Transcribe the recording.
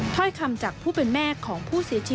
ถ้อยคำจากผู้เป็นแม่ของผู้เสียชีวิต